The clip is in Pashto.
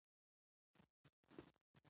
هوا د افغانستان د فرهنګي فستیوالونو برخه ده.